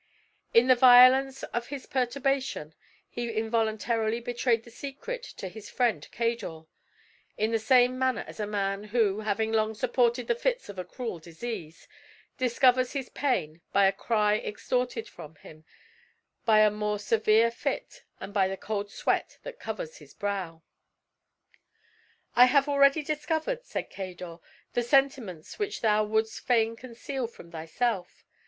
In the violence of his perturbation he involuntarily betrayed the secret to his friend Cador, in the same manner as a man who, having long supported the fits of a cruel disease, discovers his pain by a cry extorted from him by a more severe fit and by the cold sweat that covers his brow. "I have already discovered," said Cador, "the sentiments which thou wouldst fain conceal from thyself.